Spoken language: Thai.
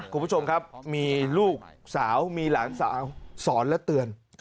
คุณผู้ชมครับมีลูกสาวมีหลานสาวสอนและเตือน